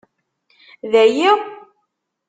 Dayi?